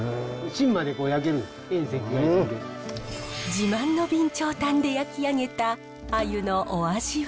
自慢の備長炭で焼き上げたアユのお味は？